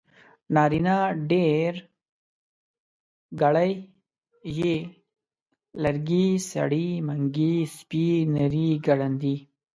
نارينه ډېرګړی ي لرګي سړي منګي سپي نري ګړندي